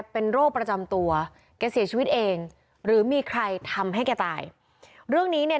เป็นโรคประจำตัวแกเสียชีวิตเองหรือมีใครทำให้แกตายเรื่องนี้เนี่ย